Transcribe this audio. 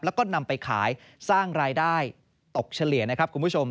แล้วก็นำไปขายสร้างรายได้ตกเฉลี่ยนะครับคุณผู้ชม